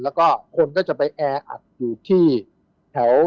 แล้วก็คนก็จะไปแออัดอยู่ที่แถว